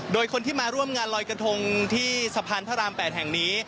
โดยคนที่มาร่วมงานลอยกระทงที่สะพานพระราม๘แห่งนี้